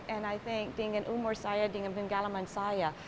and i think di umur saya di dalam galer man saya